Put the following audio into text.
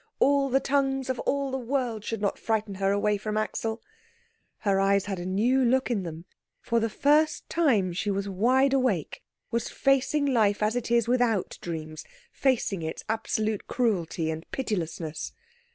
All the tongues of all the world should not frighten her away from Axel. Her eyes had a new look in them. For the first time she was wide awake, was facing life as it is without dreams, facing its absolute cruelty and pitilessness.